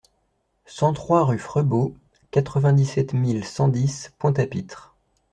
cent trois rue Frebault, quatre-vingt-dix-sept mille cent dix Pointe-à-Pitre